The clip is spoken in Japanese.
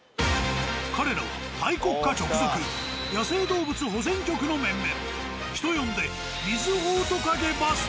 彼らはタイ国家直属野生動物保全局の面々。